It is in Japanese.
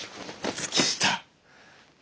月下。